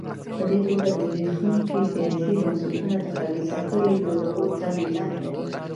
په دې توګه زبېښونکي سیاسي بنسټونه د خبیثه کړۍ جوړولو ته میلان لري.